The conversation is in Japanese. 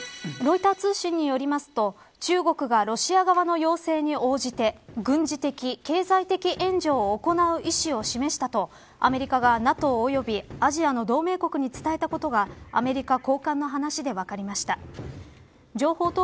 ロイター通信によりますと中国が、ロシア側の要請に応じて軍事的、経済的援助を行う意思を示したとアメリカがＮＡＴＯ及びアジアの同盟国に伝えたことがアメリカ高官の話で分かりました。